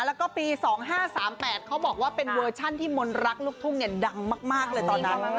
แล้วก็ปี๒๕๓๘เขาบอกว่าเป็นเวอร์ชันที่มนต์รักลูกทุ่งดังมากเลยตอนนั้น